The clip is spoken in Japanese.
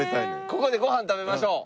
ここでご飯食べましょう！